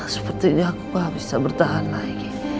sepertinya aku gak bisa bertahan lagi